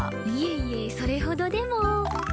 いえいえそれほどでも。